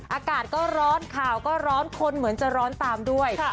อากาศก็ร้อนข่าวก็ร้อนคนเหมือนจะร้อนตามด้วย